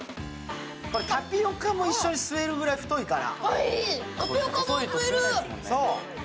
タピオカも一緒に吸えるくらい太いから。